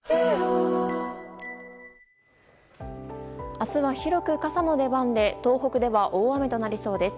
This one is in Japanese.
明日は広く傘の出番で東北では大雨となりそうです。